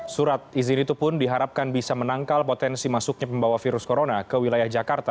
surat izin itu pun diharapkan bisa menangkal potensi masuknya pembawa virus corona ke wilayah jakarta